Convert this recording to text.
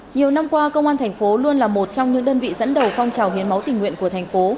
nhiều năm qua công an thành phố luôn là một trong những đơn vị dẫn đầu phong trào hiến máu tình nguyện của thành phố